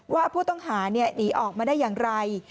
ว่าผู้ต้องหาหนีออกมาได้อย่างไร